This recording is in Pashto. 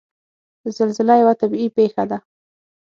زلزله یوه طبعي پېښه ده.